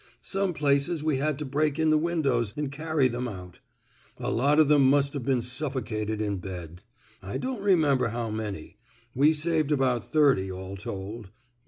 Some places we had to break in the windows an' carry them out. A lot o' them must Ve been suffocated in bed. I don't remember how many. We saved about thirty, all told.